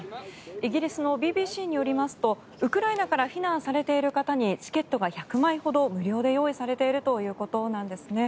イギリスのＢＢＣによりますとウクライナから避難されている方にチケットが１００枚ほど無料で用意されているということなんですね。